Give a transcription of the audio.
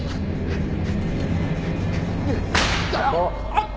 あっ！？